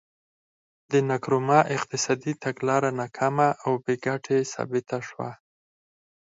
د نکرومه اقتصادي تګلاره ناکامه او بې ګټې ثابته شوه.